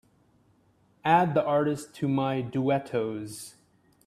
Add the artist to my Duetos.